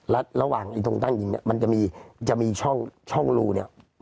และระหว่างตรงตั้งยิงเนี่ยมันจะมีจะมีช่องรูเนี่ย